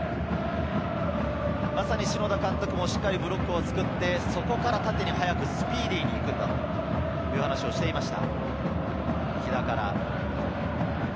篠田監督もしっかりブロックを作って、そこから縦に速くスピーディーに行くんだという話をしていました。